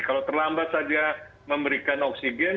kalau terlambat saja memberikan oksigen